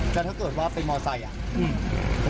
แล้วถ้าเกิดว่าไปมอเตอร์ไซค์